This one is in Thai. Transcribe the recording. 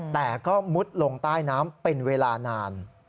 แต่ก็มุดลงใต้น้ำเป็นเวลานาน